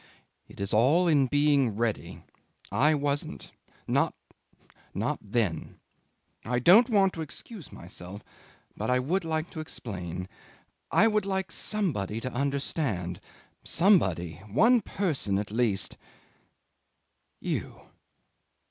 "It is all in being ready. I wasn't; not not then. I don't want to excuse myself; but I would like to explain I would like somebody to understand somebody one person at least! You!